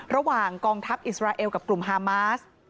ระหว่างกองทัพอิสราเอลกับกลุ่มฮามาส